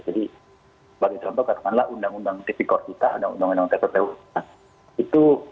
jadi bagi contoh katakanlah undang undang tppu itu